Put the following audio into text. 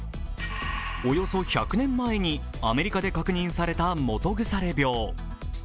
およそ１００年前にアメリカで確認された基腐病。